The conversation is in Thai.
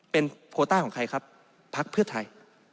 เป็นโพต้าของใครครับพักเพื่อไทย